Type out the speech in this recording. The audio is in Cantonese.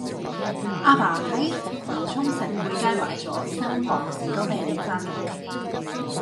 亞爸喺葵涌石貝街買左三磅士多啤梨返屋企